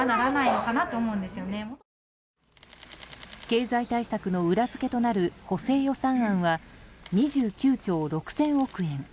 経済対策の裏付けとなる補正予算案は２９兆６０００億円。